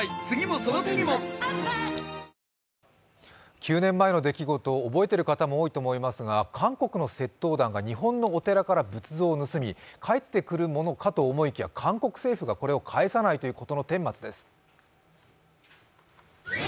９年前の出来事、覚えてる方も多いと思いますが、韓国の窃盗団が日本のお寺から仏像を盗み、返ってくるものかと思いきや韓国政府がこれを返さないということのてんまつです。